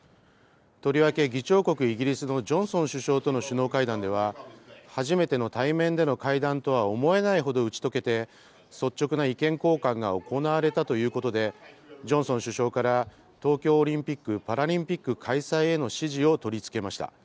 とりわけ議長国イギリスのジョンソン首相との首脳会談では、初めての対面での会談とは思えないほど打ち解けて、率直な意見交換が行われたということで、ジョンソン首相から、東京オリンピック・パラリンピック開催への支持を取り付けました。